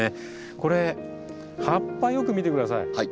これ葉っぱよく見て下さい。